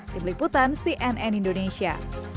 di peliputan cnn indonesia